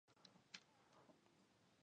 جګړه د انساني ژوند توره ورځ ده